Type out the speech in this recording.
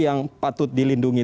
yang patut dilindungi